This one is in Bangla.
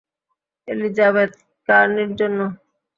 এলিজাবেথ কার্নির জন্য?